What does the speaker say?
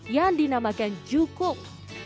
yang dinamakan jukung